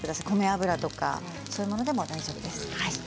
米油とかそういうものでも大丈夫です。